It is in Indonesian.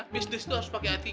bisnis tuh harus pakai etika